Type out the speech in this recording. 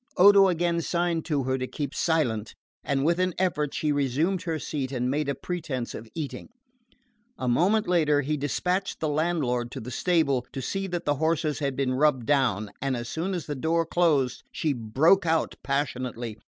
Odo again signed to her to keep silent, and with an effort she resumed her seat and made a pretence of eating. A moment later he despatched the landlord to the stable, to see that the horses had been rubbed down; and as soon as the door closed she broke out passionately.